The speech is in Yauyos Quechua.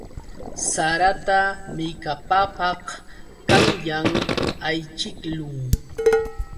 Sarata millkapapaq qanyan ayćhiqlun.